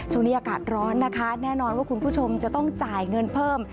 ช่วงนี้อากาศร้อนนะคะแน่นอนว่าคุณผู้ชมจะต้องจ่ายเงินเพิ่ม